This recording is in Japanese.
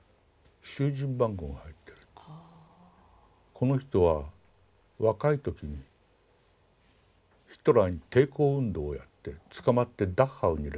この人は若い時にヒトラーに抵抗運動をやって捕まってダッハウに入れられて